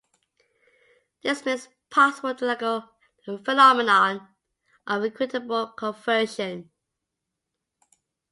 This makes possible the legal phenomenon of equitable conversion.